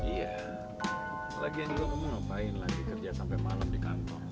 iya kelagian juga kamu ngapain lagi kerja sampe malem di kantor